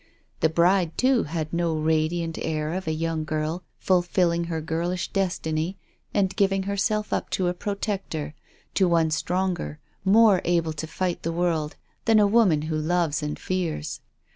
The bride too, had no radiant air of a young girl fulfilling her girlish destiny and giving herself up to a protector, to one stronger, more able to fight the world than a woman who loves and fears.